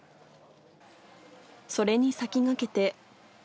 それに先駆けて。